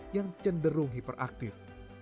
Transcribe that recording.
yang cenderung hiperaktif